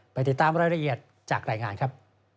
ติดตามรายละเอียดจากรายงานครับ